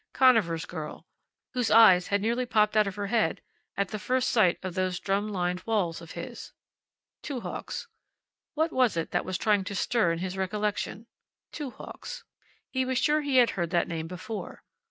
Conover's girl, whose eyes had nearly popped out of her head at the first sight of those drum lined walls of his. Two Hawks. What was it that was trying to stir in his recollection? Two Hawks. He was sure he had heard that name before.